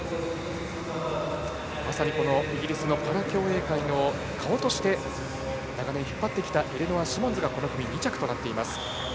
まさにイギリスのパラ競泳界の顔として長年、引っ張ってきたエレノア・シモンズがこの組２着となっています。